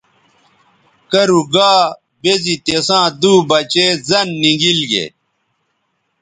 کرُو گا بے زی تِساں دُو بچے زَن نی گیل گے۔